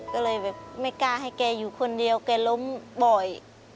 ก็เลยแบบไม่กล้าให้แกอยู่คนเดียวแกล้มบ่อย